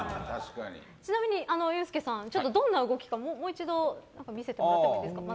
ちなみにユースケさんどんな動きかもう一度見せてもらってもいいですか？